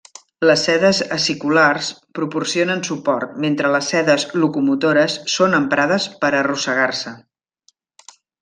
Les sedes aciculars proporcionen suport mentre les sedes locomotores són emprades per arrossegar-se.